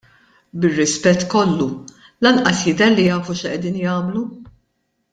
Bir-rispett kollu lanqas jidher li jafu x'qegħdin jagħmlu.